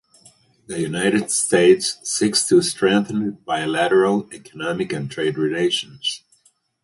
The United States seeks to strengthen bilateral economic and trade relations.